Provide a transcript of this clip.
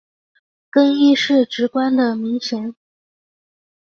更衣是一个职官的名衔。